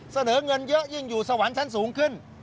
เสนอเงินเยอะยิ่งอยู่สวรรค์ชั้นสูงขึ้น